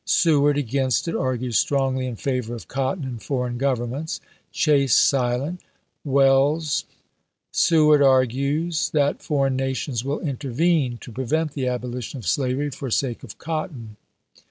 Seward against it ; argues strongly in favor of cotton and foreign Grovernments. Chase silent. WeUes Seward argues That foreign nations will intervene to prevent the abolition of slavery for sake of cotton.